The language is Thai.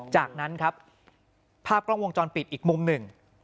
จากนั้นครับภาพกล้องวงจรปิดอีกมุมหนึ่ง